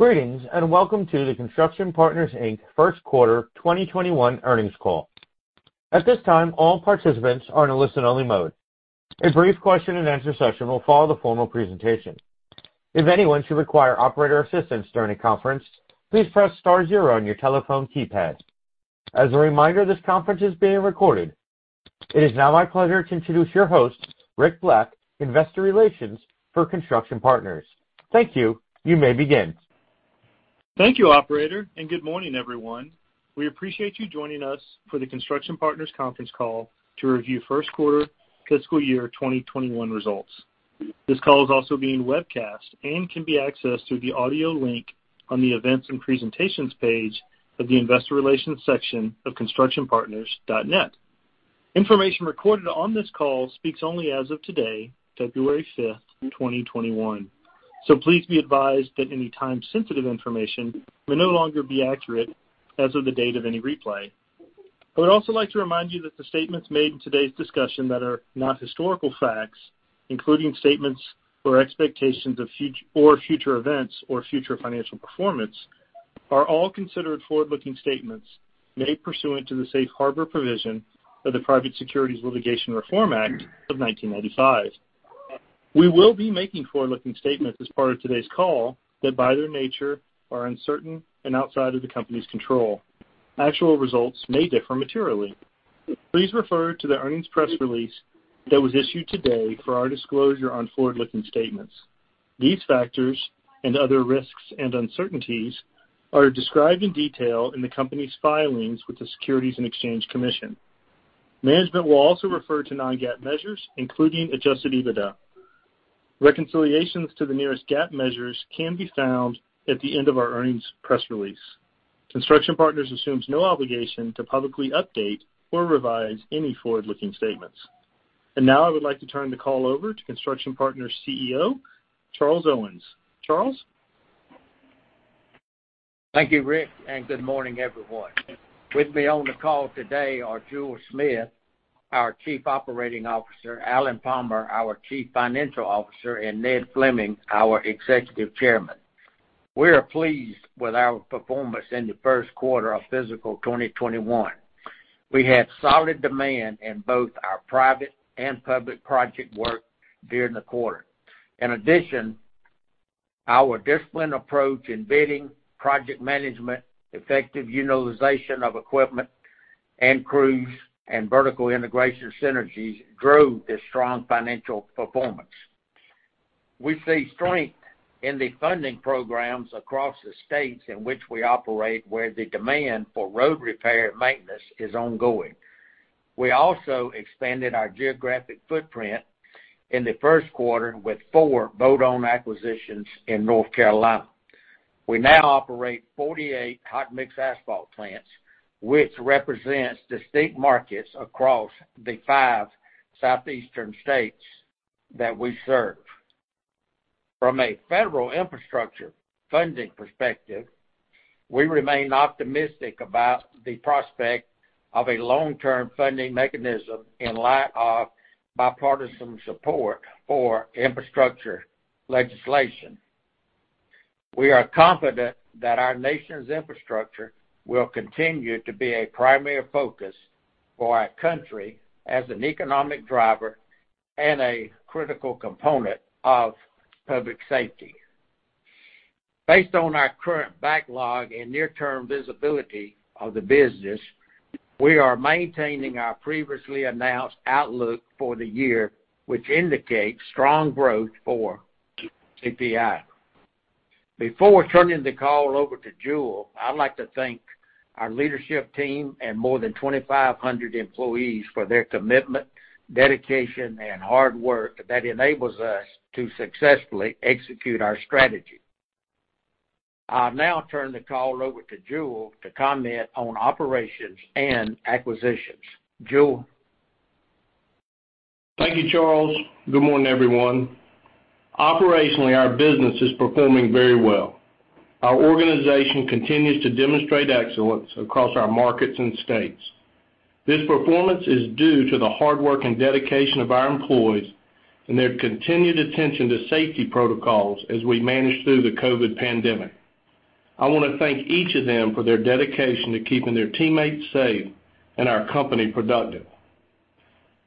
Greetings, and welcome to the Construction Partners, Inc. first quarter 2021 earnings call. At this time all participants are in listen only mode. A brief question and answer session will follow the formal presentation. If anyone should require Operator's assistance during the conference. Please press star zero on your telephone keypad. As a reminder this call is being recorded. It is now my pleasure to introduce your host, Rick Black, Investor Relations for Construction Partners. Thank you. You may begin. Thank you, Operator, and good morning, everyone. We appreciate you joining us for the Construction Partners conference call to review first quarter fiscal year 2021 results. This call is also being webcast and can be accessed through the audio link on the Events and Presentations page of the Investor Relations section of constructionpartners.net. Information recorded on this call speaks only as of today, February fifth, 2021. Please be advised that any time-sensitive information may no longer be accurate as of the date of any replay. I would also like to remind you that the statements made in today's discussion that are not historical facts, including statements or expectations of future events or future financial performance, are all considered forward-looking statements made pursuant to the safe harbor provision of the Private Securities Litigation Reform Act of 1995. We will be making forward-looking statements as part of today's call that by their nature are uncertain and outside of the company's control. Actual results may differ materially. Please refer to the earnings press release that was issued today for our disclosure on forward-looking statements. These factors and other risks and uncertainties are described in detail in the company's filings with the Securities and Exchange Commission. Management will also refer to non-GAAP measures, including adjusted EBITDA. Reconciliations to the nearest GAAP measures can be found at the end of our earnings press release. Construction Partners assumes no obligation to publicly update or revise any forward-looking statements. Now I would like to turn the call over to Construction Partners' CEO, Charles Owens. Charles? Thank you, Rick, and good morning, everyone. With me on the call today are Jule Smith, our Chief Operating Officer, Alan Palmer, our Chief Financial Officer, and Ned Fleming, our Executive Chairman. We are pleased with our performance in the first quarter of fiscal 2021. We had solid demand in both our private and public project work during the quarter. In addition, our disciplined approach in bidding, project management, effective utilization of equipment and crews, and vertical integration synergies drove this strong financial performance. We see strength in the funding programs across the states in which we operate, where the demand for road repair maintenance is ongoing. We also expanded our geographic footprint in the first quarter with four bolt-on acquisitions in North Carolina. We now operate 48 hot mix asphalt plants, which represents distinct markets across the five Southeastern states that we serve. From a federal infrastructure funding perspective, we remain optimistic about the prospect of a long-term funding mechanism in light of bipartisan support for infrastructure legislation. We are confident that our nation's infrastructure will continue to be a primary focus for our country as an economic driver and a critical component of public safety. Based on our current backlog and near-term visibility of the business. We are maintaining our previously announced outlook for the year, which indicates strong growth for CPI. Before turning the call over to Jule, I'd like to thank our leadership team and more than 2,500 employees for their commitment, dedication, and hard work that enables us to successfully execute our strategy. I'll now turn the call over to Jule to comment on operations and acquisitions. Jule? Thank you, Charles. Good morning, everyone. Operationally, our business is performing very well. Our organization continues to demonstrate excellence across our markets and states. This performance is due to the hard work and dedication of our employees and their continued attention to safety protocols as we manage through the COVID pandemic. I want to thank each of them for their dedication to keeping their teammates safe and our company productive.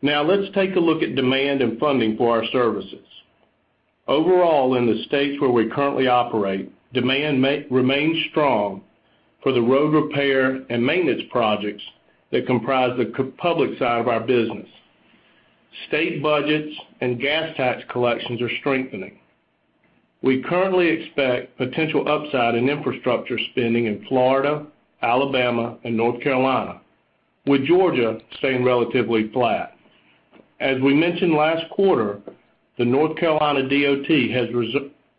Let's take a look at demand and funding for our services. Overall, in the states where we currently operate, demand remains strong for the road repair and maintenance projects that comprise the public side of our business. State budgets and gas tax collections are strengthening. We currently expect potential upside in infrastructure spending in Florida, Alabama, and North Carolina, with Georgia staying relatively flat. As we mentioned last quarter, the North Carolina DOT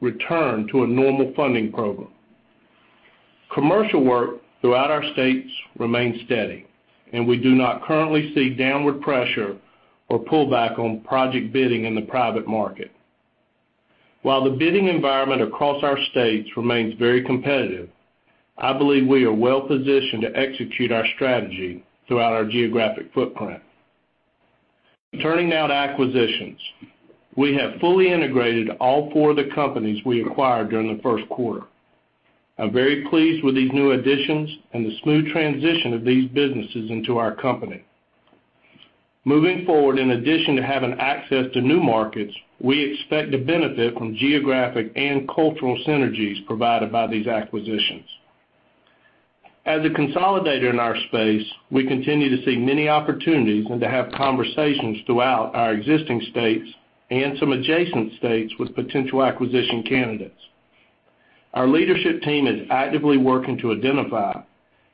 has returned to a normal funding program. Commercial work throughout our states remains steady. We do not currently see downward pressure or pullback on project bidding in the private market. While the bidding environment across our states remains very competitive, I believe we are well-positioned to execute our strategy throughout our geographic footprint. Turning now to acquisitions. We have fully integrated all four of the companies we acquired during the first quarter. I'm very pleased with these new additions and the smooth transition of these businesses into our company. Moving forward, in addition to having access to new markets, we expect to benefit from geographic and cultural synergies provided by these acquisitions. As a consolidator in our space, we continue to see many opportunities and to have conversations throughout our existing states and some adjacent states with potential acquisition candidates. Our leadership team is actively working to identify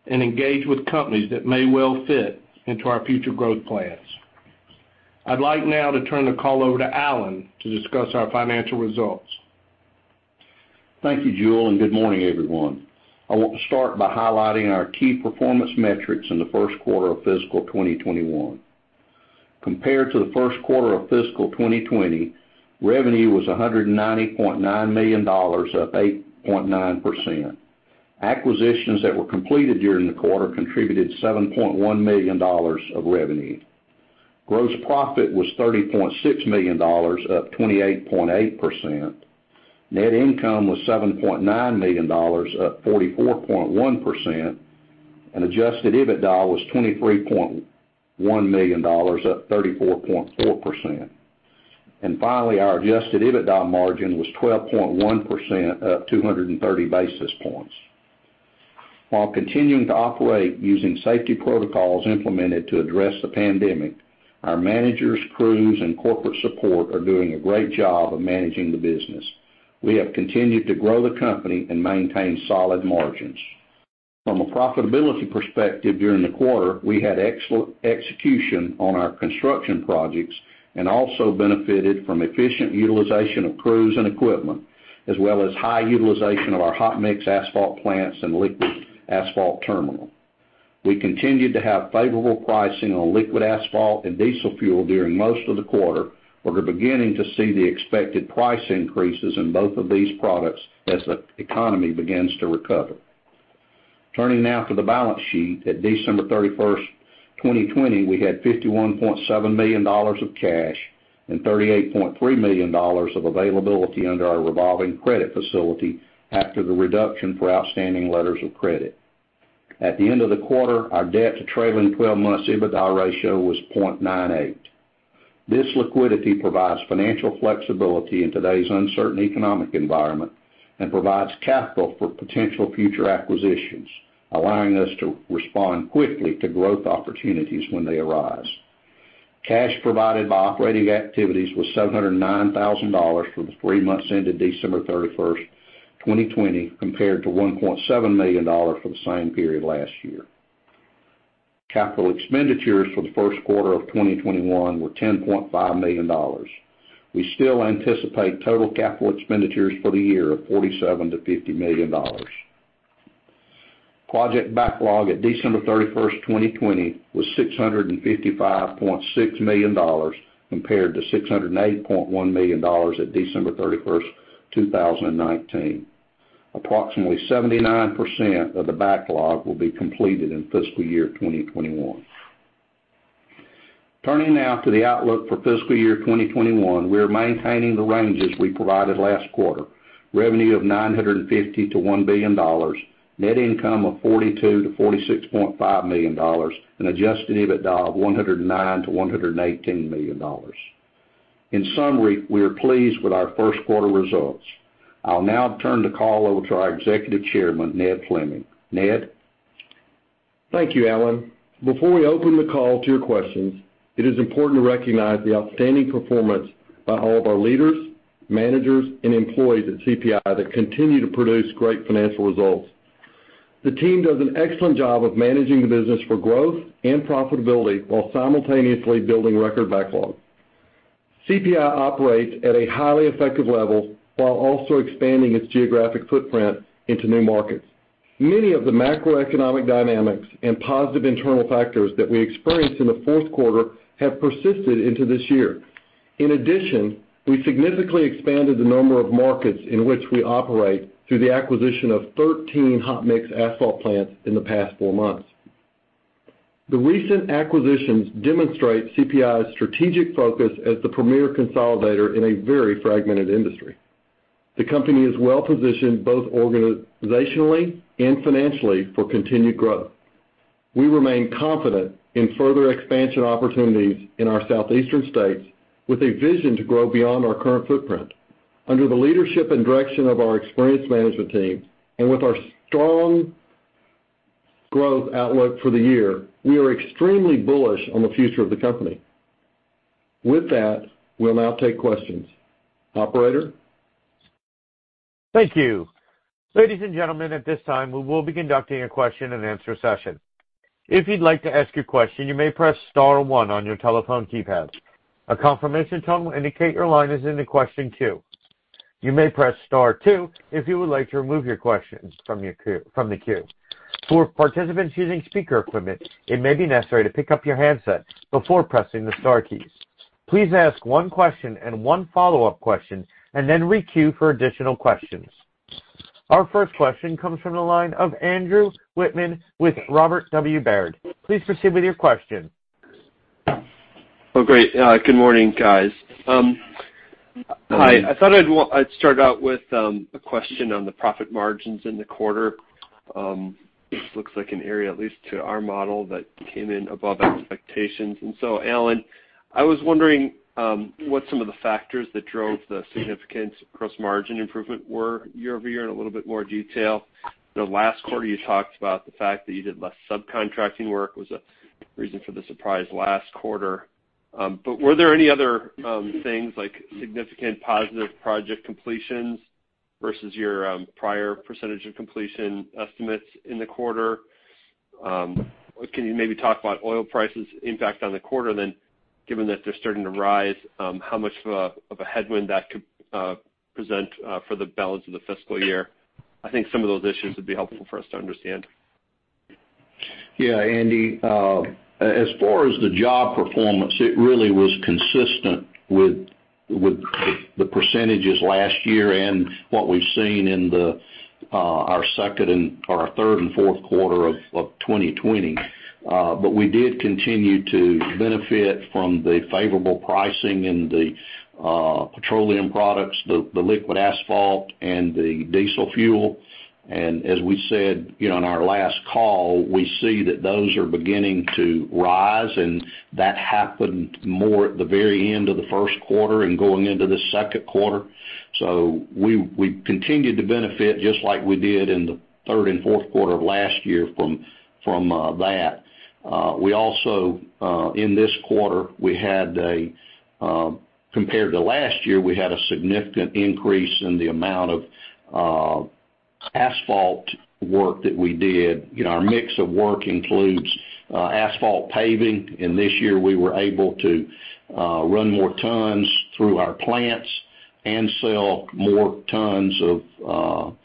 and engage with companies that may well fit into our future growth plans. I'd like now to turn the call over to Alan to discuss our financial results. Thank you, Jule, good morning, everyone. I want to start by highlighting our key performance metrics in the first quarter of FY 2021. Compared to the first quarter of FY 2020, revenue was $190.9 million, up 8.9%. Acquisitions that were completed during the quarter contributed $7.1 million of revenue. Gross profit was $30.6 million, up 28.8%. Net income was $7.9 million, up 44.1%, and adjusted EBITDA was $23.1 million, up 34.4%. Finally, our adjusted EBITDA margin was 12.1%, up 230 basis points. While continuing to operate using safety protocols implemented to address the pandemic, our managers, crews, and corporate support are doing a great job of managing the business. We have continued to grow the company and maintain solid margins. From a profitability perspective, during the quarter, we had execution on our construction projects and also benefited from efficient utilization of crews and equipment, as well as high utilization of our hot mix asphalt plants and liquid asphalt terminal. We continued to have favorable pricing on liquid asphalt and diesel fuel during most of the quarter, but are beginning to see the expected price increases in both of these products as the economy begins to recover. Turning now to the balance sheet, at December 31st, 2020, we had $51.7 million of cash and $38.3 million of availability under our revolving credit facility after the reduction for outstanding letters of credit. At the end of the quarter, our debt to trailing 12 months EBITDA ratio was 0.98. This liquidity provides financial flexibility in today's uncertain economic environment and provides capital for potential future acquisitions, allowing us to respond quickly to growth opportunities when they arise. Cash provided by operating activities was $709,000 for the three months ended December 31st, 2020, compared to $1.7 million for the same period last year. Capital expenditures for the first quarter of 2021 were $10.5 million. We still anticipate total capital expenditures for the year of $47 million-$50 million. Project backlog at December 31st, 2020, was $655.6 million, compared to $608.1 million at December 31st, 2019. Approximately 79% of the backlog will be completed in fiscal year 2021. Turning now to the outlook for fiscal year 2021. We're maintaining the ranges we provided last quarter. Revenue of $950 million-$1 billion, net income of $42 million-$46.5 million, and adjusted EBITDA of $109 million-$118 million. In summary, we are pleased with our first quarter results. I'll now turn the call over to our Executive Chairman, Ned Fleming. Ned? Thank you, Alan. Before we open the call to your questions, it is important to recognize the outstanding performance by all of our leaders, managers, and employees at CPI that continue to produce great financial results. The team does an excellent job of managing the business for growth and profitability while simultaneously building record backlogs. CPI operates at a highly effective level while also expanding its geographic footprint into new markets. Many of the macroeconomic dynamics and positive internal factors that we experienced in the fourth quarter have persisted into this year. In addition, we significantly expanded the number of markets in which we operate through the acquisition of 13 hot mix asphalt plants in the past four months. The recent acquisitions demonstrate CPI's strategic focus as the premier consolidator in a very fragmented industry. The company is well positioned, both organizationally and financially, for continued growth. We remain confident in further expansion opportunities in our southeastern states, with a vision to grow beyond our current footprint. Under the leadership and direction of our experienced management team, and with our strong growth outlook for the year, we are extremely bullish on the future of the company. With that, we'll now take questions. Operator? Thank you. Ladies and gentlemen, at this time, we will be conducting a question and answer session. If you would like to ask your question you may press star one on your telephone keypad. A confirmation tone indicate your line is in the question queue. You may press star two if you would like to remove your question from the queue. For participants using speaker phone, it may be necessary to pick up your handset before pressing the star key. Please ask one question and one follow up question, and then requeue for additional question. Our first question comes from the line of Andrew Wittmann with Robert W. Baird. Please proceed with your question. Oh, great. Good morning, guys. Hi. I thought I'd start out with a question on the profit margins in the quarter. Alan, I was wondering what some of the factors that drove the significant gross margin improvement were year-over-year in a little bit more detail. The last quarter you talked about the fact that you did less subcontracting work was a reason for the surprise last quarter. Were there any other things like significant positive project completions versus your prior percentage of completion estimates in the quarter? Can you maybe talk about oil prices impact on the quarter then, given that they're starting to rise? How much of a headwind that could present for the balance of the fiscal year? I think some of those issues would be helpful for us to understand. Yeah, Andy. As far as the job performance, it really was consistent with the percentages last year and what we've seen in our third and fourth quarter of 2020. We did continue to benefit from the favorable pricing in the petroleum products, the liquid asphalt, and the diesel fuel. As we said on our last call, we see that those are beginning to rise, and that happened more at the very end of the first quarter and going into the second quarter. We continued to benefit, just like we did in the third and fourth quarter of last year from that. In this quarter, compared to last year, we had a significant increase in the amount of asphalt work that we did. Our mix of work includes asphalt paving, and this year we were able to run more tons through our plants and sell more tons of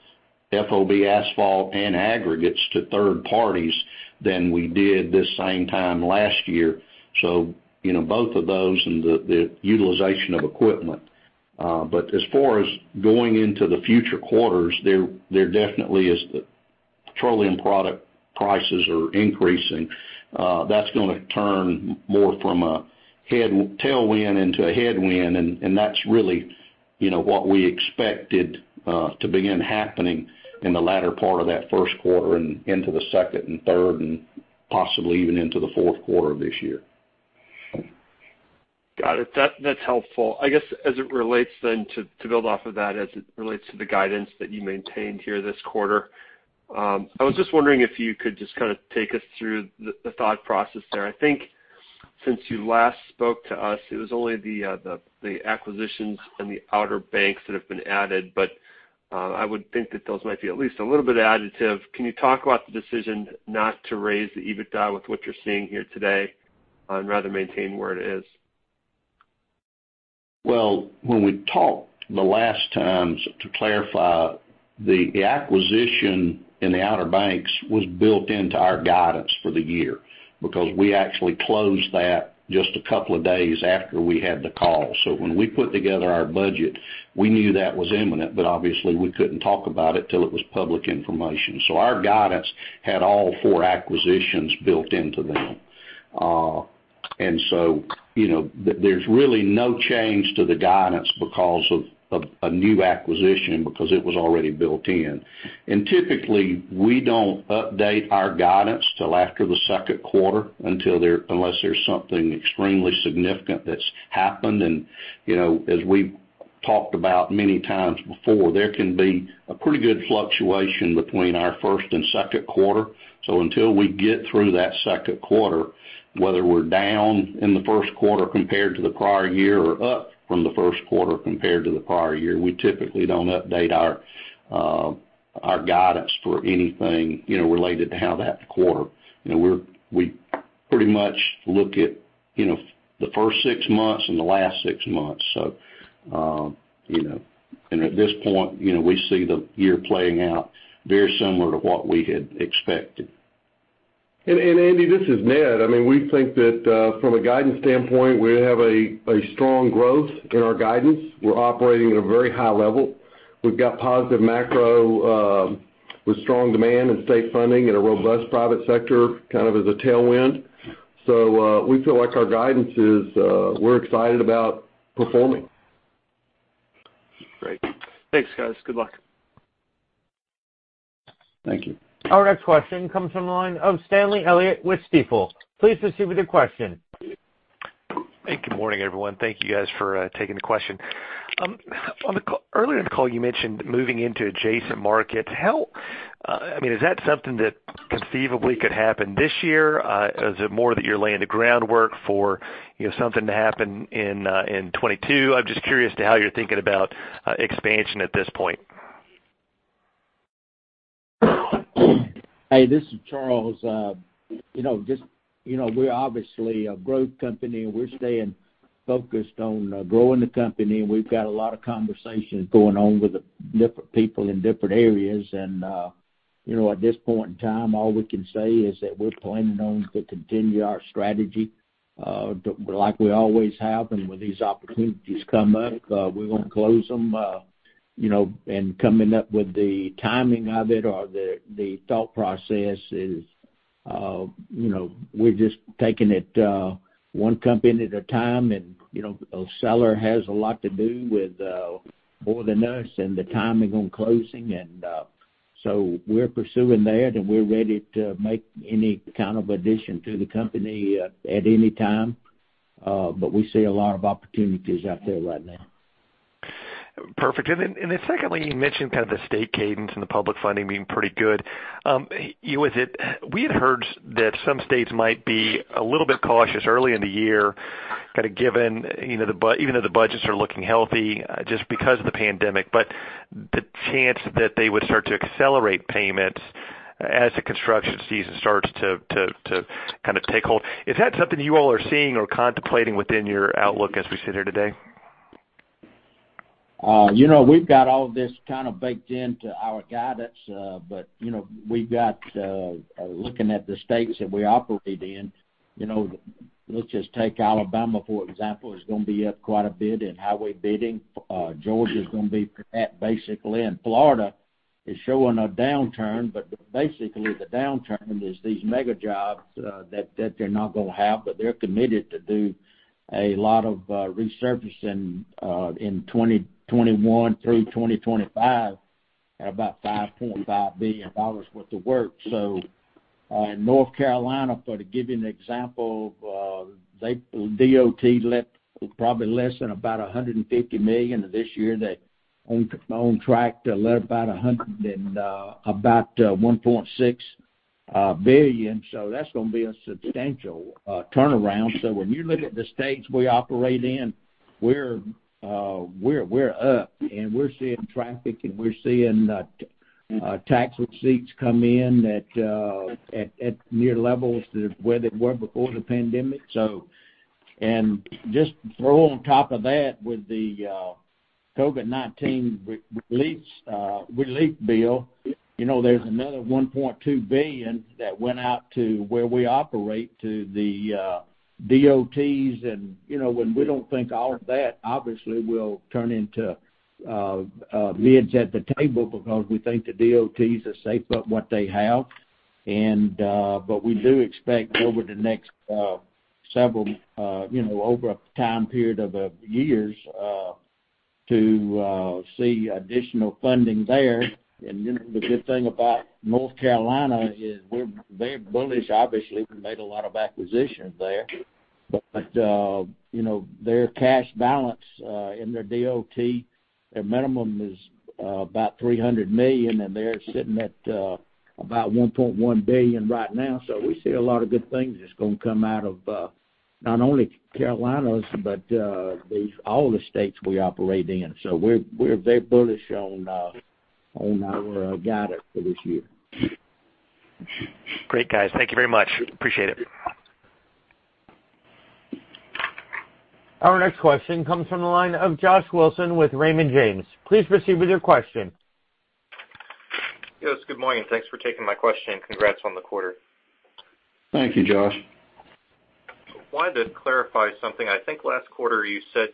FOB asphalt and aggregates to third parties than we did this same time last year. Both of those and the utilization of equipment. As far as going into the future quarters, there definitely is the petroleum product prices are increasing. That's going to turn more from a tailwind into a headwind, and that's really what we expected to begin happening in the latter part of that first quarter and into the second and third and possibly even into the fourth quarter of this year. Got it. That's helpful. To build off of that, as it relates to the guidance that you maintained here this quarter, I was just wondering if you could just take us through the thought process there. I think since you last spoke to us, it was only the acquisitions and the Outer Banks that have been added, I would think that those might be at least a little bit additive. Can you talk about the decision not to raise the EBITDA with what you're seeing here today and rather maintain where it is? Well, when we talked the last times, to clarify, the acquisition in the Outer Banks was built into our guidance for the year because we actually closed that just a couple of days after we had the call. When we put together our budget, we knew that was imminent, but obviously, we couldn't talk about it till it was public information. Our guidance had all four acquisitions built into them. There's really no change to the guidance because of a new acquisition because it was already built in. Typically, we don't update our guidance till after the second quarter, unless there's something extremely significant that's happened. As we've talked about many times before, there can be a pretty good fluctuation between our first and second quarter. Until we get through that second quarter, whether we're down in the first quarter compared to the prior year or up from the first quarter compared to the prior year, we typically don't update our guidance for anything related to how that quarter. We pretty much look at the first six months and the last six months. At this point, we see the year playing out very similar to what we had expected. Andy, this is Ned. We think that from a guidance standpoint, we have a strong growth in our guidance. We're operating at a very high level. We've got positive macro with strong demand and state funding and a robust private sector kind of as a tailwind. We feel like our guidance is we're excited about performing. Great. Thanks, guys. Good luck. Thank you. Our next question comes from the line of Stanley Elliott with Stifel. Please proceed with your question. Hey, good morning, everyone. Thank you guys for taking the question. Earlier in the call, you mentioned moving into adjacent markets. Is that something that conceivably could happen this year? Is it more that you're laying the groundwork for something to happen in 2022? I'm just curious to how you're thinking about expansion at this point. Hey, this is Charles. We're obviously a growth company, and we're staying focused on growing the company, and we've got a lot of conversations going on with different people in different areas. At this point in time, all we can say is that we're planning on to continue our strategy, like we always have, and when these opportunities come up, we're going to close them. Coming up with the timing of it or the thought process is, we're just taking it one company at a time, and a seller has a lot to do with more than us and the timing on closing. We're pursuing that, and we're ready to make any kind of addition to the company at any time. We see a lot of opportunities out there right now. Perfect. Secondly, you mentioned kind of the state cadence and the public funding being pretty good. We had heard that some states might be a little bit cautious early in the year, kind of given, even though the budgets are looking healthy, just because of the pandemic. The chance that they would start to accelerate payments as the construction season starts to kind of take hold. Is that something you all are seeing or contemplating within your outlook as we sit here today? We've got all of this kind of baked into our guidance. Looking at the states that we operate in, let's just take Alabama, for example, is going to be up quite a bit in highway bidding. Georgia's going to be flat basically, and Florida is showing a downturn. Basically, the downturn is these mega jobs that they're not going to have, but they're committed to do a lot of resurfacing in 2021 through 2025 at about $5.5 billion worth of work. In North Carolina, to give you an example, DOT let probably less than about $150 million this year. They are on track to let about $1.6 billion. That's going to be a substantial turnaround. When you look at the states we operate in, we're up, and we're seeing traffic, and we're seeing tax receipts come in at near levels to where they were before the pandemic. Just throw on top of that with the COVID-19 relief bill, there's another $1.2 billion that went out to where we operate to the DOTs. When we don't think all of that obviously will turn into bids at the table because we think the DOTs are safe with what they have. We do expect over the next several, over a time period of years, to see additional funding there. The good thing about North Carolina is we're very bullish. Obviously, we made a lot of acquisitions there, but their cash balance in their DOT, their minimum is about $300 million, and they're sitting at about $1.1 billion right now. We see a lot of good things that's going to come out of not only Carolinas, but all the states we operate in. We're very bullish on our guidance for this year. Great. Guys. Thank you very much. Appreciate it. Our next question comes from the line of Josh Wilson with Raymond James. Please proceed with your question. Yes. Good morning. Thanks for taking my question, and congrats on the quarter. Thank you. Josh. Wanted to clarify something. I think last quarter you said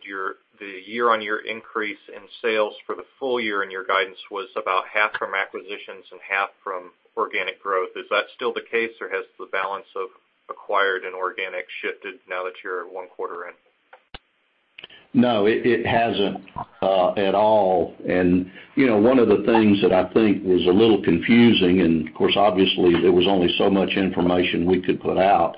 the year-on-year increase in sales for the full year in your guidance was about half from acquisitions and half from organic growth. Is that still the case, or has the balance of acquired and organic shifted now that you're one quarter in? No, it hasn't at all. One of the things that I think was a little confusing, and of course, obviously, there was only so much information we could put out.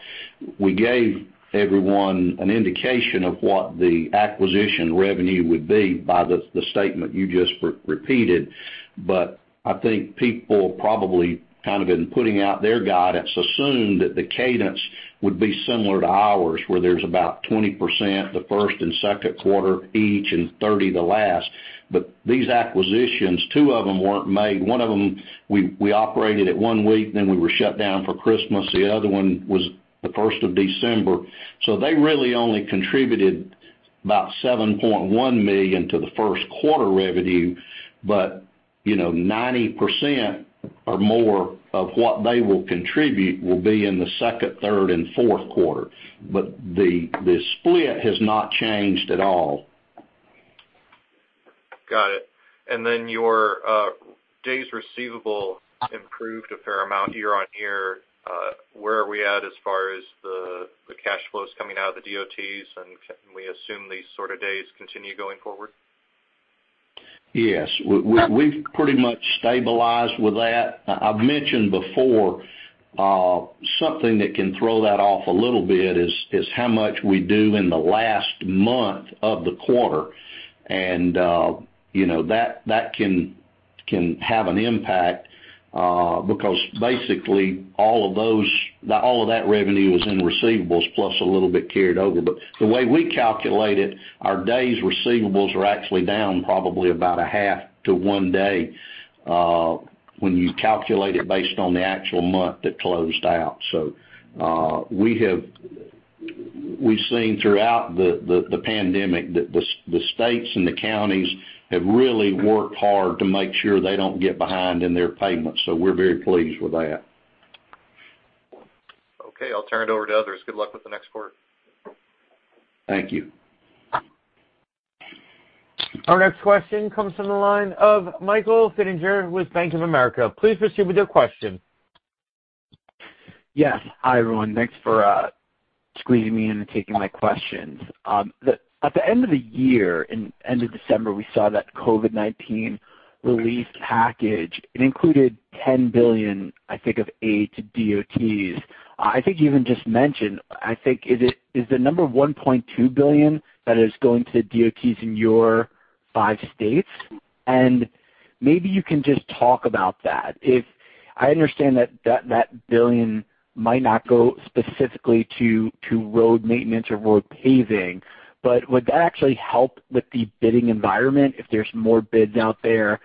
We gave everyone an indication of what the acquisition revenue would be by the statement you just repeated. I think people probably kind of in putting out their guidance assumed that the cadence would be similar to ours, where there's about 20% the first and second quarter each and 30% the last. These acquisitions, two of them weren't made. One of them, we operated it one week, then we were shut down for Christmas. The other one was the 1st of December. They really only contributed about $7.1 million to the first quarter revenue. 90% or more of what they will contribute will be in the second, third, and fourth quarter. The split has not changed at all. Got it. Your days receivable improved a fair amount year-on-year. Where are we at as far as the cash flows coming out of the DOTs? Can we assume these sort of days continue going forward? Yes. We've pretty much stabilized with that. I've mentioned before something that can throw that off a little bit is how much we do in the last month of the quarter. That can have an impact because basically all of that revenue is in receivables plus a little bit carried over. The way we calculate it, our days receivables are actually down probably about a half to one day when you calculate it based on the actual month that closed out. We've seen throughout the pandemic that the states and the counties have really worked hard to make sure they don't get behind in their payments. We're very pleased with that. Okay. I'll turn it over to others. Good luck with the next quarter. Thank you. Our next question comes from the line of Michael Feniger with Bank of America. Please proceed with your question. Yes. Hi, everyone. Thanks for squeezing me in and taking my questions. At the end of the year, in end of December, we saw that COVID-19 relief package. It included $10 billion, I think, of aid to DOTs. I think you even just mentioned, I think, is the number $1.2 billion that is going to DOTs in your five states? Maybe you can just talk about that. I understand that billion might not go specifically to road maintenance or road paving, but would that actually help with the bidding environment if there's more bids out there?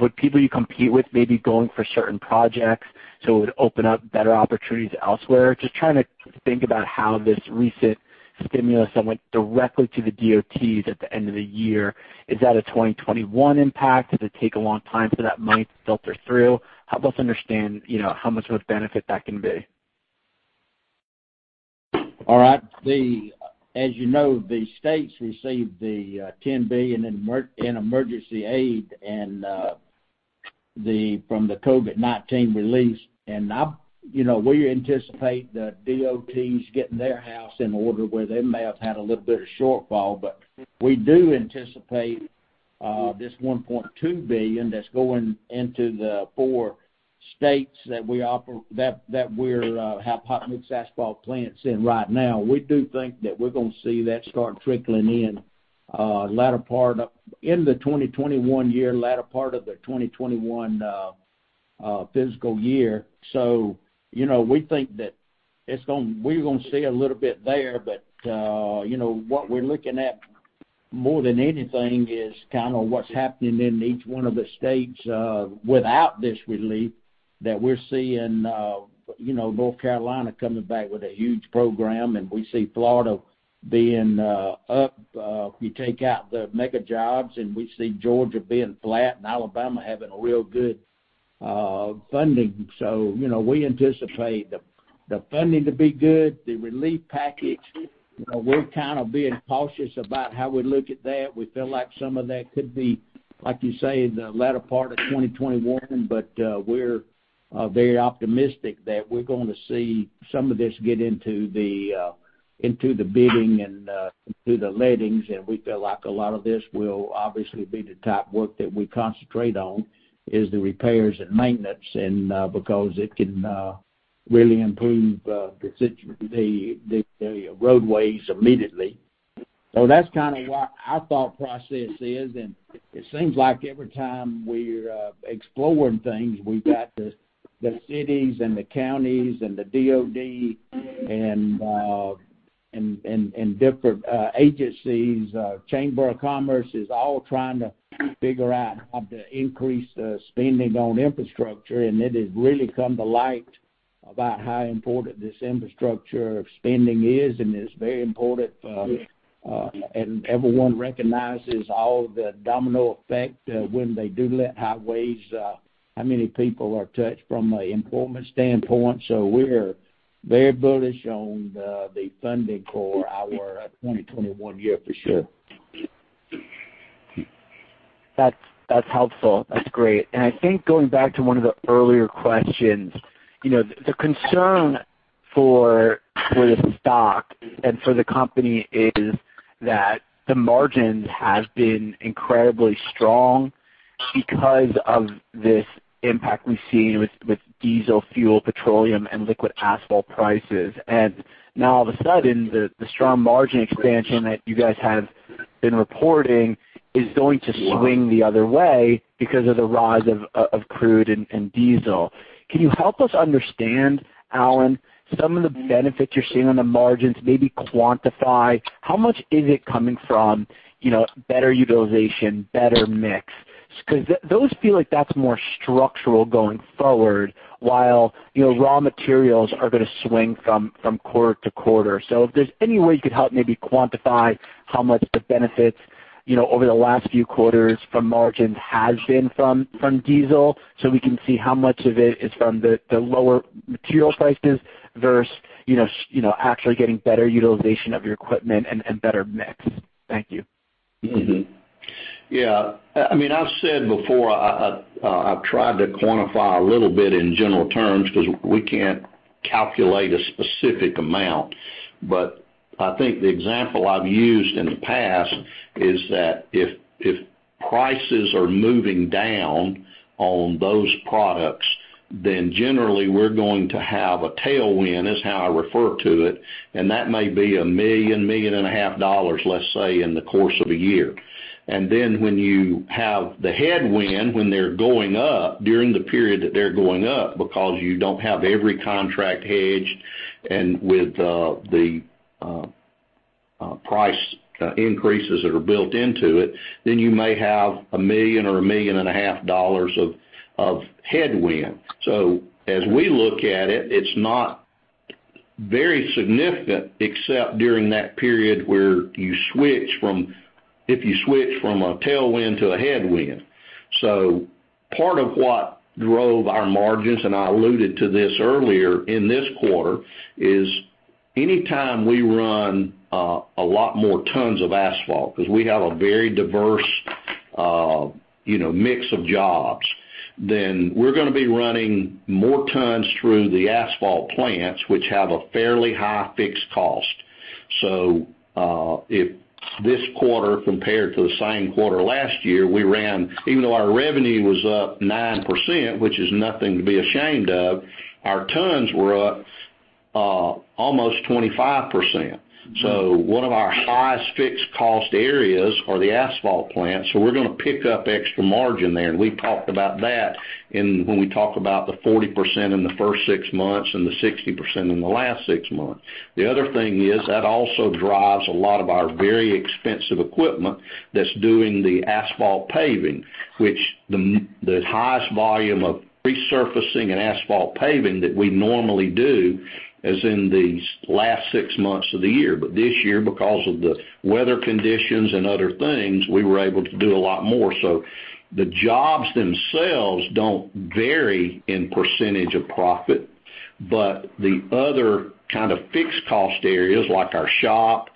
Would people you compete with may be going for certain projects, so it would open up better opportunities elsewhere? Just trying to think about how this recent stimulus that went directly to the DOTs at the end of the year, is that a 2021 impact? Does it take a long time for that money to filter through? Help us understand how much of a benefit that can be. All right. As you know, the states received the $10 billion in emergency aid from the COVID-19 relief. We anticipate the DOTs getting their house in order where they may have had a little bit of shortfall, but we do anticipate this $1.2 billion that's going into the four states that we have hot mix asphalt plants in right now. We do think that we're going to see that start trickling in the 2021 year, latter part of the 2021 fiscal year. We think that we're going to see a little bit there. What we're looking at more than anything is kind of what's happening in each one of the states, without this relief, that we're seeing North Carolina coming back with a huge program, and we see Florida being up. If you take out the mega jobs, and we see Georgia being flat, and Alabama having a real good funding. We anticipate the funding to be good. The relief package, we're kind of being cautious about how we look at that. We feel like some of that could be, like you say, in the latter part of 2021. We're very optimistic that we're going to see some of this get into the bidding and into the lettings, and we feel like a lot of this will obviously be the type of work that we concentrate on, is the repairs and maintenance, because it can really improve the roadways immediately. That's kind of what our thought process is, and it seems like every time we're exploring things, we've got the cities and the counties and the DOT and different agencies, chamber of commerce, is all trying to figure out how to increase the spending on infrastructure, and it has really come to light about how important this infrastructure spending is, and it's very important. Everyone recognizes all of the domino effect when they do let highways, how many people are touched from an employment standpoint. We're very bullish on the funding for our 2021 year for sure. That's helpful. That's great. I think going back to one of the earlier questions, the concern for the stock and for the company is that the margins have been incredibly strong because of this impact we've seen with diesel fuel, petroleum, and liquid asphalt prices. Now all of a sudden, the strong margin expansion that you guys have been reporting is going to swing the other way because of the rise of crude and diesel. Can you help us understand, Alan, some of the benefits you're seeing on the margins? Maybe quantify how much is it coming from better utilization, better mix? Because those feel like that's more structural going forward while raw materials are going to swing from quarter to quarter. If there's any way you could help maybe quantify how much the benefits over the last few quarters from margins has been from diesel so we can see how much of it is from the lower material prices versus actually getting better utilization of your equipment and better mix? Thank you. Yeah. I've said before, I've tried to quantify a little bit in general terms because we can't calculate a specific amount. I think the example I've used in the past is that if prices are moving down on those products, then generally we're going to have a tailwind, is how I refer to it, and that may be a million, $1.5 million, let's say, in the course of a year. Then when you have the headwind, when they're going up during the period that they're going up because you don't have every contract hedged and with the price increases that are built into it, then you may have a million or $1.5 million of headwind. As we look at it's not very significant except during that period where if you switch from a tailwind to a headwind. Part of what drove our margins, and I alluded to this earlier in this quarter, is. Anytime we run a lot more tons of asphalt, because we have a very diverse mix of jobs, then we're going to be running more tons through the asphalt plants, which have a fairly high fixed cost. If this quarter compared to the same quarter last year, even though our revenue was up 9%, which is nothing to be ashamed of, our tons were up almost 25%. One of our highest fixed cost areas are the asphalt plants. We're going to pick up extra margin there. We talked about that when we talked about the 40% in the first six months and the 60% in the last six months. The other thing is, that also drives a lot of our very expensive equipment that's doing the asphalt paving, which the highest volume of resurfacing and asphalt paving that we normally do is in these last six months of the year. This year, because of the weather conditions and other things, we were able to do a lot more. The jobs themselves don't vary in percentage of profit, but the other kind of fixed cost areas like our shop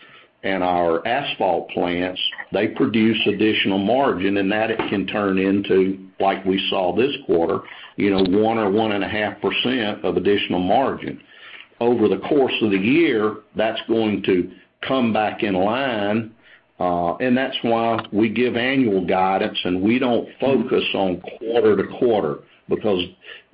and our asphalt plants, they produce additional margin, and that it can turn into, like we saw this quarter, 1% or 1.5% of additional margin. Over the course of the year, that's going to come back in line, and that's why we give annual guidance and we don't focus on quarter to quarter.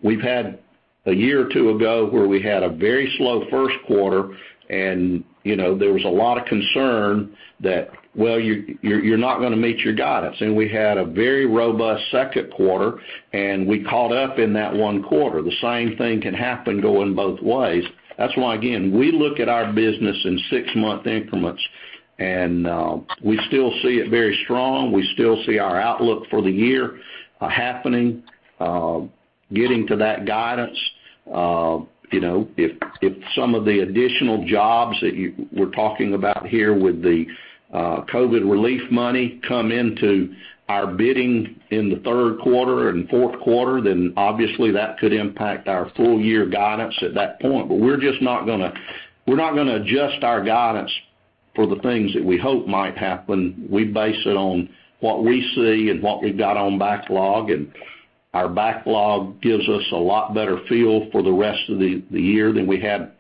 We've had a year or two ago where we had a very slow first quarter and there was a lot of concern that, well, you're not going to meet your guidance. We had a very robust second quarter, and we caught up in that one quarter. The same thing can happen going both ways. That's why, again, we look at our business in six-month increments, and we still see it very strong. We still see our outlook for the year happening, getting to that guidance. If some of the additional jobs that we're talking about here with the COVID relief money come into our bidding in the third quarter and fourth quarter, obviously that could impact our full year guidance at that point. We're not going to adjust our guidance for the things that we hope might happen. We base it on what we see and what we've got on backlog. Our backlog gives us a lot better feel for the rest of the year than we had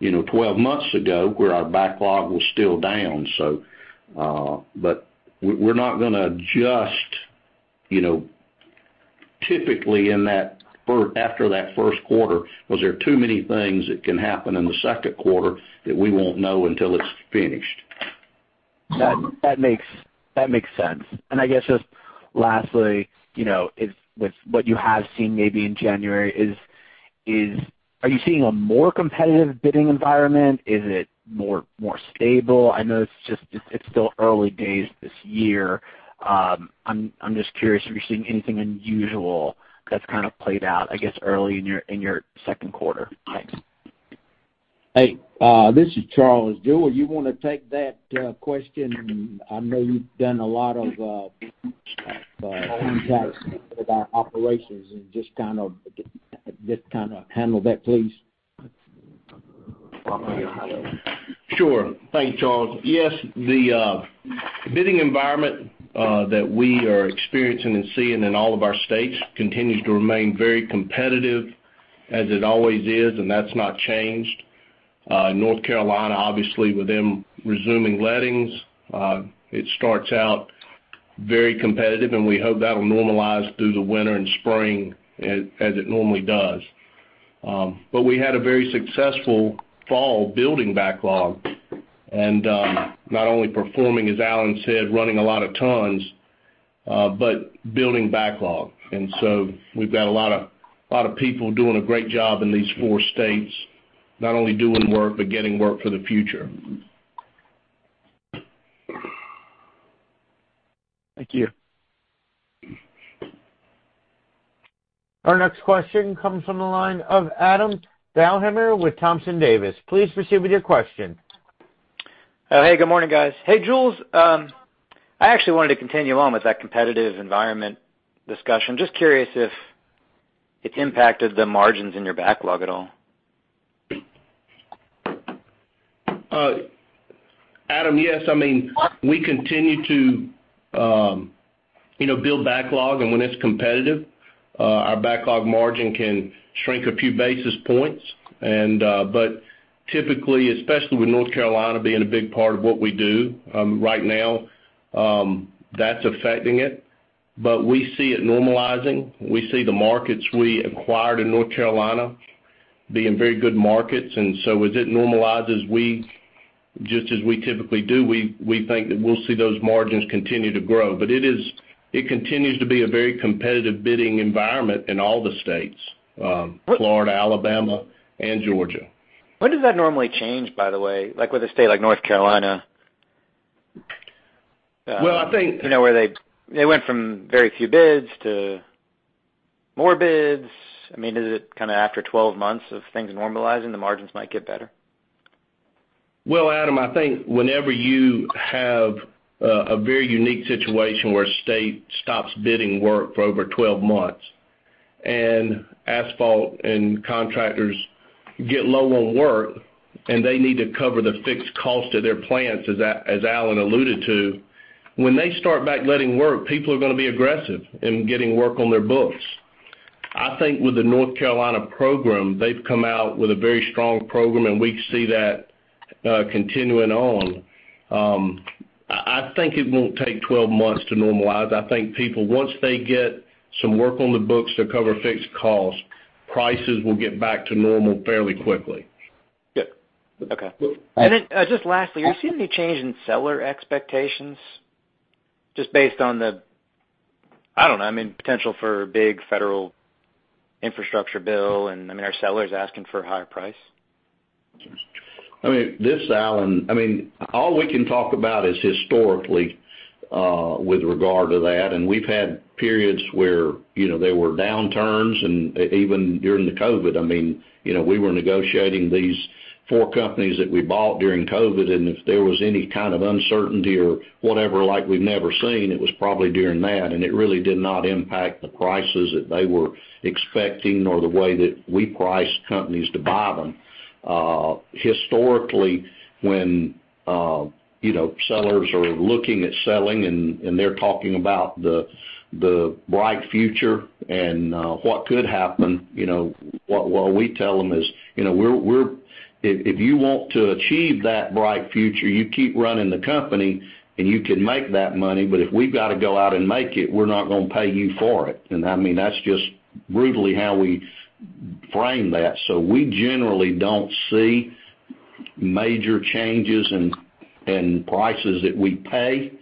12 months ago, where our backlog was still down. We're not going to adjust, typically after that first quarter, because there are too many things that can happen in the second quarter that we won't know until it's finished. That makes sense. I guess, just lastly, with what you have seen maybe in January, are you seeing a more competitive bidding environment? Is it more stable? I know it's still early days this year. I'm just curious if you're seeing anything unusual that's kind of played out, I guess, early in your second quarter. Thanks. Hey, this is Charles. Jule, you want to take that question? I know you've done a lot of contacts with our operations and just kind of handle that, please. Sure. Thanks, Charles. Yes, the bidding environment that we are experiencing and seeing in all of our states continues to remain very competitive as it always is, and that's not changed. North Carolina DOT, obviously with them resuming lettings, it starts out very competitive, and we hope that'll normalize through the winter and spring as it normally does. We had a very successful fall building backlog, and not only performing, as Alan said, running a lot of tons, but building backlog. We've got a lot of people doing a great job in these four states, not only doing work, but getting work for the future. Thank you. Our next question comes from the line of Adam Thalhimer with Thompson Davis. Please proceed with your question. Hey, good morning, guys. Hey, Jule. I actually wanted to continue on with that competitive environment discussion. Just curious if it's impacted the margins in your backlog at all. Adam, yes. We continue to build backlog, and when it's competitive, our backlog margin can shrink a few basis points. Typically, especially with North Carolina being a big part of what we do right now, that's affecting it. We see it normalizing. We see the markets we acquired in North Carolina being very good markets. As it normalizes, just as we typically do, we think that we'll see those margins continue to grow. It continues to be a very competitive bidding environment in all the states, Florida, Alabama and Georgia. When does that normally change, by the way? Like with a state like North Carolina? Well, I think. Where they went from very few bids to more bids. Is it kind of after 12 months of things normalizing, the margins might get better? Well, Adam, I think whenever you have a very unique situation where a state stops bidding work for over 12 months. Asphalt and contractors get low on work, and they need to cover the fixed cost of their plants, as Alan alluded to. When they start back letting work, people are going to be aggressive in getting work on their books. I think with the North Carolina program, they've come out with a very strong program, and we see that continuing on. I think it won't take 12 months to normalize. I think people, once they get some work on the books to cover fixed costs, prices will get back to normal fairly quickly. Good. Okay. Just lastly, are you seeing any change in seller expectations, just based on the, I don't know, potential for a big federal infrastructure bill, and are sellers asking for a higher price? This is Alan. All we can talk about is historically with regard to that. We've had periods where there were downturns and even during the COVID, we were negotiating these four companies that we bought during COVID, and if there was any kind of uncertainty or whatever like we'd never seen, it was probably during that. It really did not impact the prices that they were expecting or the way that we priced companies to buy them. Historically, when sellers are looking at selling and they're talking about the bright future and what could happen, what we tell them is, if you want to achieve that bright future, you keep running the company and you can make that money. If we've got to go out and make it, we're not going to pay you for it. That's just brutally how we frame that. We generally don't see major changes in prices that we pay.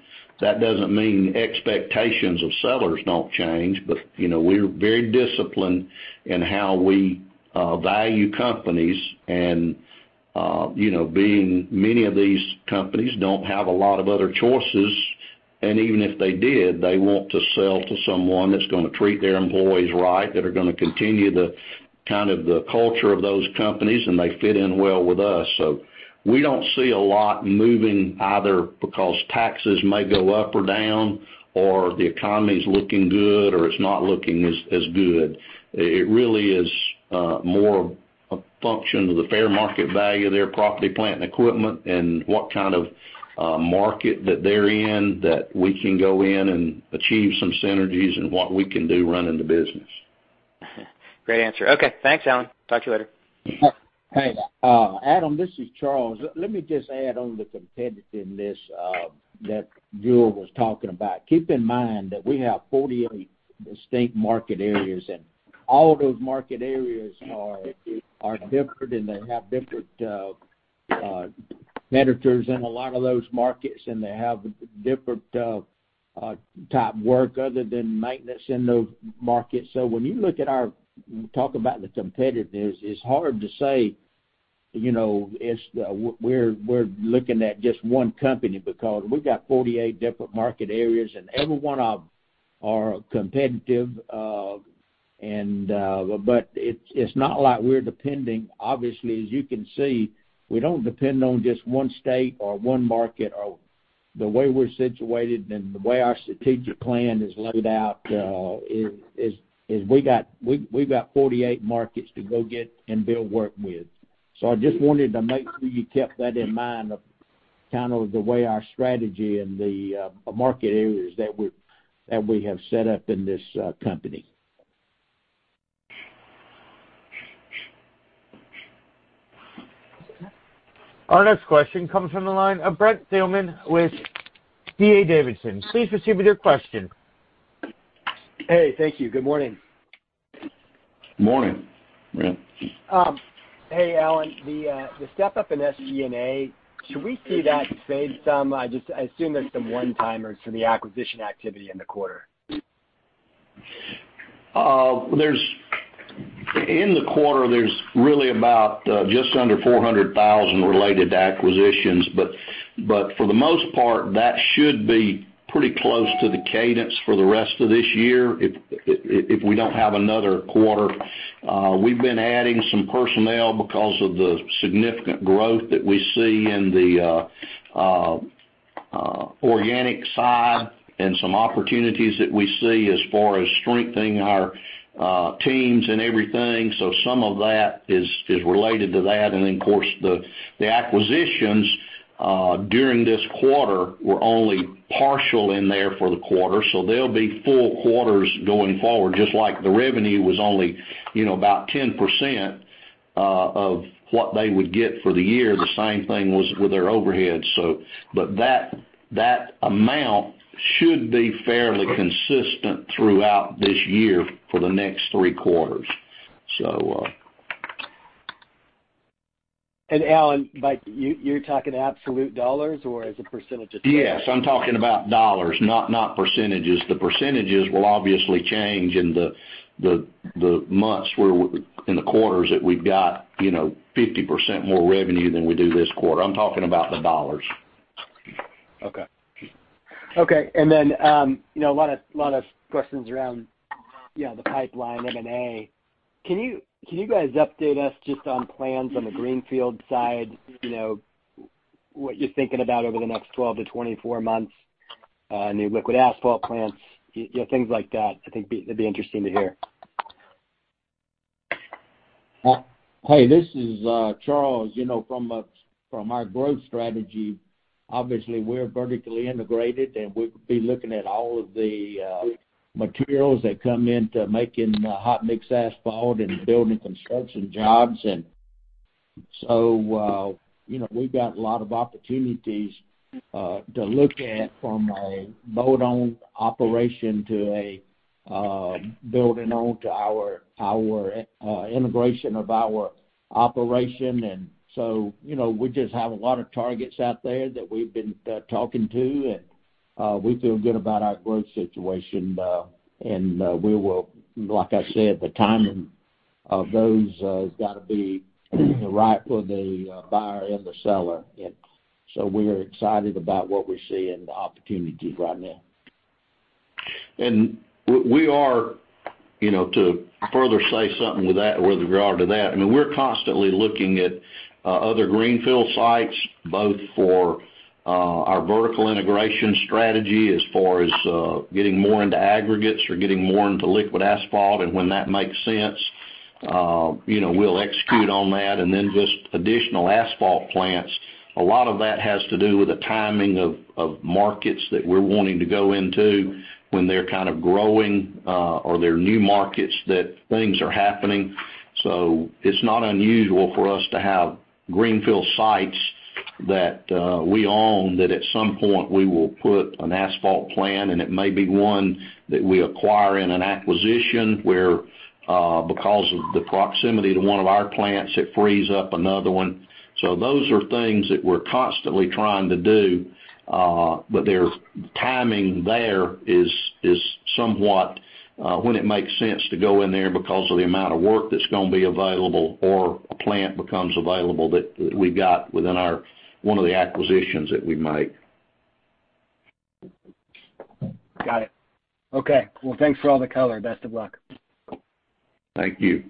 That doesn't mean expectations of sellers don't change. We're very disciplined in how we value companies and being many of these companies don't have a lot of other choices, and even if they did, they want to sell to someone that's going to treat their employees right, that are going to continue the culture of those companies, and they fit in well with us. We don't see a lot moving either because taxes may go up or down or the economy's looking good, or it's not looking as good. It really is more a function of the fair market value of their property, plant, and equipment and what kind of market that they're in, that we can go in and achieve some synergies in what we can do running the business. Great answer. Okay. Thanks, Alan. Talk to you later. Yeah. Hey. Adam, this is Charles. Let me just add on the competitiveness that Jule was talking about. Keep in mind that we have 48 distinct market areas. All of those market areas are different. They have different competitors in a lot of those markets. They have different type work other than maintenance in those markets. When you talk about the competitiveness, it's hard to say we're looking at just one company because we've got 48 different market areas. Every one of them are competitive. It's not like we're depending, obviously, as you can see, we don't depend on just one state or one market or the way we're situated and the way our strategic plan is laid out, is we've got 48 markets to go get and build work with. I just wanted to make sure you kept that in mind of the way our strategy and the market areas that we have set up in this company. Our next question comes from the line of Brent Thielman with D.A. Davidson. Please proceed with your question. Hey. Thank you. Good morning. Morning, Brent. Hey, Alan. The step-up in SG&A, should we see that fade some? I assume there's some one-timers to the acquisition activity in the quarter. In the quarter, there's really about just under $400,000 related to acquisitions. For the most part, that should be pretty close to the cadence for the rest of this year if we don't have another quarter. We've been adding some personnel because of the significant growth that we see in the organic side and some opportunities that we see as far as strengthening our teams and everything. Some of that is related to that, of course, the acquisitions during this quarter were only partial in there for the quarter. They'll be full quarters going forward, just like the revenue was only about 10% of what they would get for the year. The same thing was with their overhead. That amount should be fairly consistent throughout this year for the next three quarters. Alan, you're talking absolute dollars, or as a percentage of sales? Yes. I'm talking about dollars, not percentages. The percentages will obviously change in the months in the quarters that we've got 50% more revenue than we do this quarter. I'm talking about the dollars. Okay. A lot of questions around the pipeline M&A. Can you guys update us just on plans on the greenfield side? What you're thinking about over the next 12 months-24 months? New liquid asphalt plants, things like that, I think that'd be interesting to hear. Hey, this is Charles. From our growth strategy, obviously we're vertically integrated, and we'll be looking at all of the materials that come into making hot mix asphalt and building construction jobs. We've got a lot of opportunities to look at from a build-own operation to a building onto our integration of our operation. We just have a lot of targets out there that we've been talking to, and we feel good about our growth situation. We will, like I said, the timing of those has got to be right for the buyer and the seller. We're excited about what we see in the opportunities right now. We are, to further say something with regard to that, we're constantly looking at other greenfield sites, both for our vertical integration strategy as far as getting more into aggregates or getting more into liquid asphalt. When that makes sense, we'll execute on that. Then just additional asphalt plants. A lot of that has to do with the timing of markets that we're wanting to go into when they're kind of growing, or they're new markets that things are happening. It's not unusual for us to have greenfield sites that we own, that at some point we will put an asphalt plant, and it may be one that we acquire in an acquisition where, because of the proximity to one of our plants, it frees up another one. Those are things that we're constantly trying to do. Their timing there is somewhat when it makes sense to go in there because of the amount of work that's going to be available or a plant becomes available that we've got within one of the acquisitions that we make. Got it. Okay. Well, thanks for all the color. Best of luck. Thank you.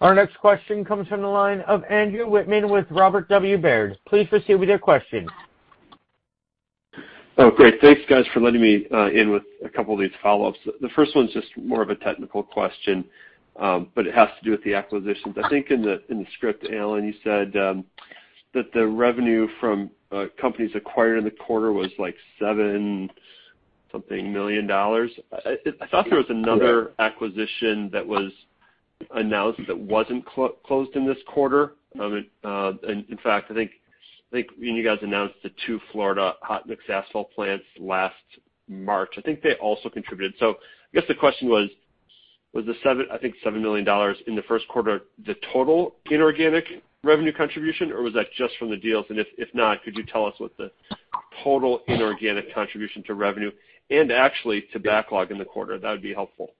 Our next question comes from the line of Andrew Wittmann with Robert W. Baird. Please proceed with your question. Oh, great. Thanks guys for letting me in with a couple of these follow-ups. The first one's just more of a technical question, but it has to do with the acquisitions. I think in the script, Alan, you said that the revenue from companies acquired in the quarter was like $7-something million. I thought there was another acquisition that was announced that wasn't closed in this quarter. In fact, I think when you guys announced the two Florida hot mix asphalt plants last March, I think they also contributed. I guess the question was the $7 million in the first quarter the total inorganic revenue contribution, or was that just from the deals? If not, could you tell us what the total inorganic contribution to revenue and actually to backlog in the quarter? That would be helpful.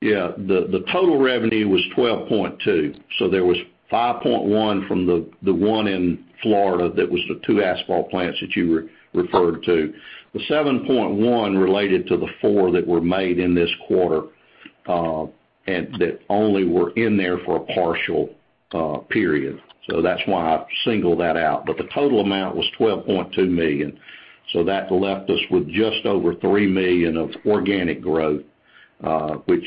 Yeah. The total revenue was $12.2 million. There was $5.1 million from the one in Florida. That was the two asphalt plants that you referred to. The $7.1 million related to the four that were made in this quarter, and that only were in there for a partial period. That's why I've singled that out. But the total amount was $12.2 million. That left us with just over $3 million of organic growth, which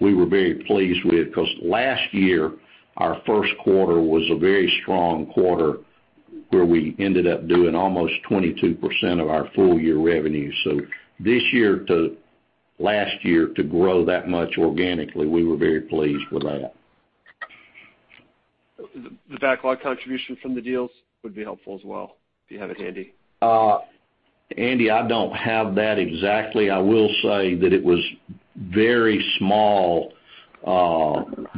we were very pleased with because last year, our first quarter was a very strong quarter where we ended up doing almost 22% of our full year revenue. This year to last year to grow that much organically. We were very pleased with that. The backlog contribution from the deals would be helpful as well, if you have it handy? Andy, I don't have that exactly. I will say that it was very small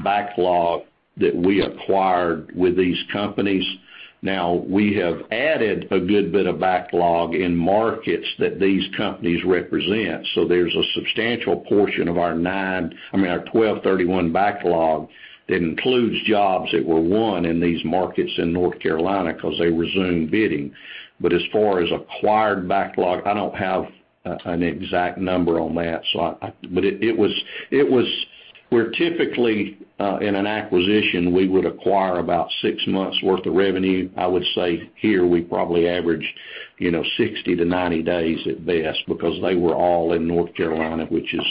backlog that we acquired with these companies. We have added a good bit of backlog in markets that these companies represent. There's a substantial portion of our 12/31 backlog that includes jobs that were won in these markets in North Carolina because they resume bidding. As far as acquired backlog, I don't have an exact number on that. Where typically, in an acquisition, we would acquire about six months worth of revenue. I would say here we probably averaged 60 days-90 days at best because they were all in North Carolina, which as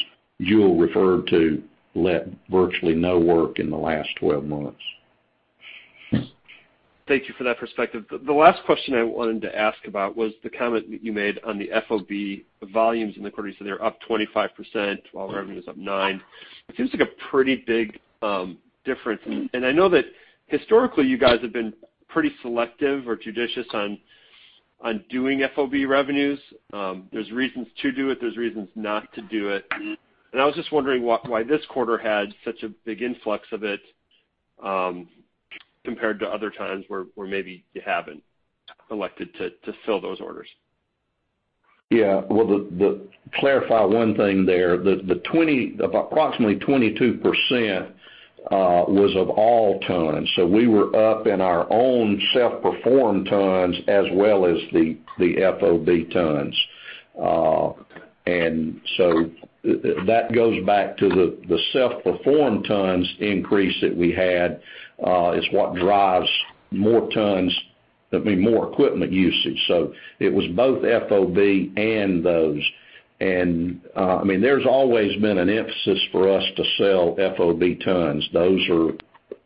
Jule referred to, let virtually no work in the last 12 months. Thank you for that perspective. The last question I wanted to ask about was the comment that you made on the FOB volumes in the quarter. You said they're up 25%, while revenue's up nine. It seems like a pretty big difference. I know that historically you guys have been pretty selective or judicious on doing FOB revenues. There's reasons to do it, there's reasons not to do it, and I was just wondering why this quarter had such a big influx of it, compared to other times where maybe you haven't elected to fill those orders. Yeah. Well, to clarify one thing there, the approximately 22% was of all tons. We were up in our own self-performed tons as well as the FOB tons. That goes back to the self-performed tons increase that we had is what drives more equipment usage. It was both FOB and those. There's always been an emphasis for us to sell FOB tons. Those are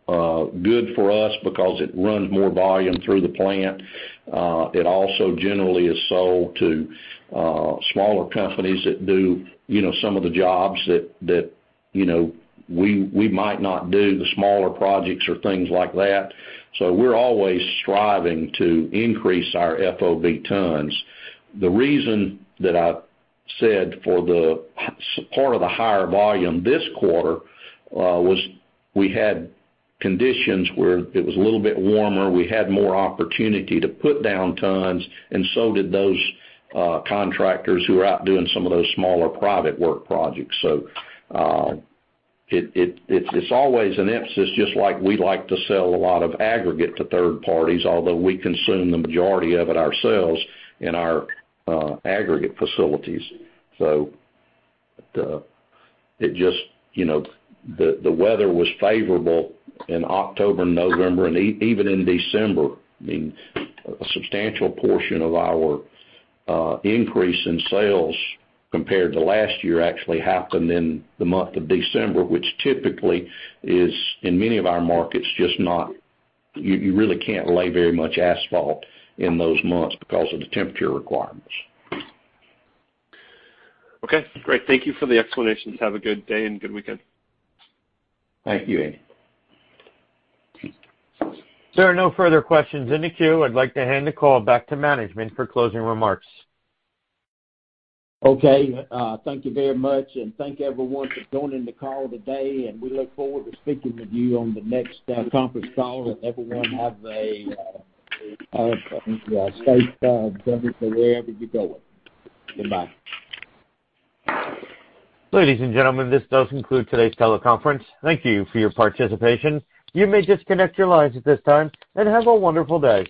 good for us because it runs more volume through the plant. It also generally is sold to smaller companies that do some of the jobs that we might not do, the smaller projects or things like that. We're always striving to increase our FOB tons. The reason that I said for the part of the higher volume this quarter was we had conditions where it was a little bit warmer. We had more opportunity to put down tons, and so did those contractors who are out doing some of those smaller private work projects. It's always an emphasis, just like we like to sell a lot of aggregate to third parties, although we consume the majority of it ourselves in our aggregate facilities. The weather was favorable in October, November, and even in December. A substantial portion of our increase in sales compared to last year actually happened in the month of December, which typically is, in many of our markets, you really can't lay very much asphalt in those months because of the temperature requirements. Okay, great. Thank you for the explanations. Have a good day and good weekend. Thank you, Andy. There are no further questions in the queue. I'd like to hand the call back to management for closing remarks. Okay. Thank you very much, and thank everyone for joining the call today, and we look forward to speaking with you on the next conference call. Everyone have a safe journey wherever you're going. Goodbye. Ladies and gentlemen, this does conclude today's teleconference. Thank you for your participation. You may disconnect your lines at this time, and have a wonderful day.